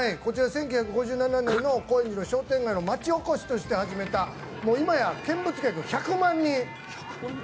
１９５７年の高円寺の商店街の町おこしとして始めた今や見物客、１００万人。